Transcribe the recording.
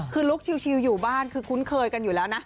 คือลุคชิลอยู่บ้านคือคุ้นเคยกันอยู่แล้วนะ